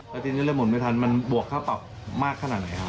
แล้วจริงเลยหมุนไม่ทันมันบวกเข้ามากขนาดไหนครับ